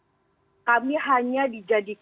dan itu adalah yang paling penting